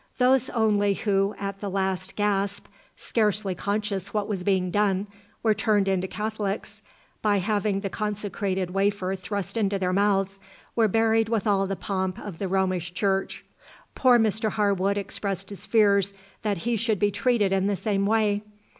Those only who at the last gasp, scarcely conscious what was being done, were turned into Catholics, by having the consecrated wafer thrust into their mouths, were buried with all the pomp of the Romish Church. Poor Mr Harwood expressed his fears that he should be treated in the same way.